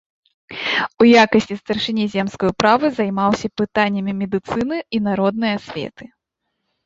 У якасці старшыні земскай управы займаўся пытаннямі медыцыны і народнай асветы.